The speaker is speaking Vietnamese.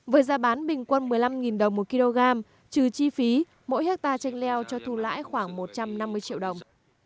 với giá bán bình quân một mươi năm đồng một kg trừ chi phí mỗi hectare chanh leo cho thu lãi khoảng một trăm năm mươi triệu đồng